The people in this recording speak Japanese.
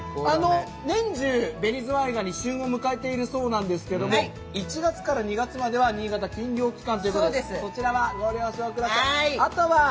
年中ベニズワイガニ旬を迎えているそうなんですけど、１月から２月までは新潟、禁漁期間ということでご了承ください。